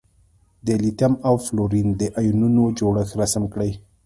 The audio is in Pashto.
د لیتیم او فلورین د ایونونو جوړښت رسم کړئ.